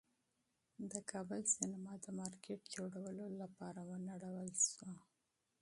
د کابل سینما د مارکېټ جوړولو لپاره ونړول شوه.